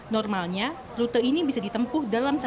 normalnya rute ini bisa ditempuh dalam sehari